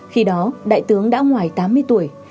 khi đó đại tướng đã ngoài tám mươi tuổi